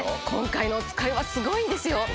今回のおつかいはすごいんですよ。